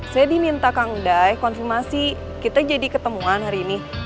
saya diminta kang day konfirmasi kita jadi ketemuan hari ini